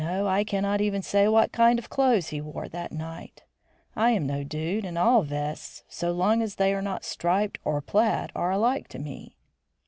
I cannot even say what kind of clothes he wore that night. I am no dude, and all vests, so long as they are not striped or plaid, are alike to me."